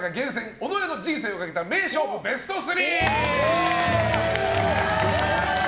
己の人生をかけた名勝負ベスト３！